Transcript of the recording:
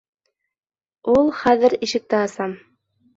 Ул хәҙер ишекте аса.